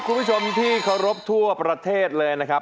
คุณผู้ชมที่เคารพทั่วประเทศเลยนะครับ